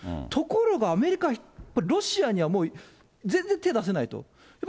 ところがアメリカはロシアにはもう全然手を出せないと。